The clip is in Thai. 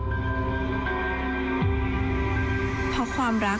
บอกว่าอยากให้ทำอะไรเราก็ทำตามที่เขาบอก